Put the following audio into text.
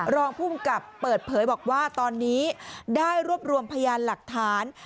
รองภูมิกับเปิดเผยบอกว่าตอนนี้ได้รวบรวมพยานหลักฐาน